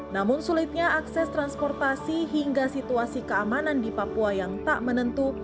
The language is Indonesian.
namun sulitnya akses transportasi hingga situasi keamanan di papua yang tak menentu